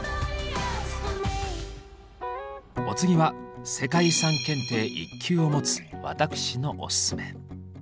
お次は世界遺産検定１級を持つ私のオススメ。